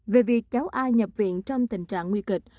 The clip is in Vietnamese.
về việc cháu ai nhập viện trong tình trạng nguy kịch